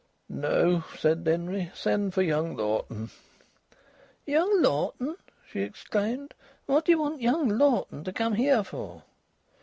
"No," said Denry; "send for young Lawton." "Young Lawton!" she exclaimed. "What do you want young Lawton to come here for?"